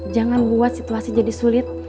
jangan buat situasi jadi sulit